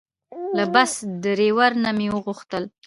له بس ډریور نه مې وغوښتل.